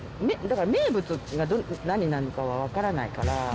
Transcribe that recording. だから名物が何なのかわからないから。